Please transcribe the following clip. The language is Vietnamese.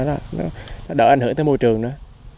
nó đỡ ảnh hưởng tới môi trường nữa